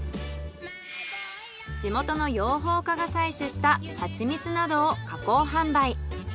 地元の養蜂家が採取したはちみつなどを加工販売。